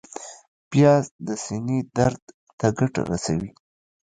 پیاز د سینې درد ته ګټه رسوي